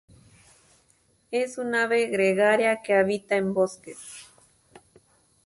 Es un ave gregaria que habita en bosques.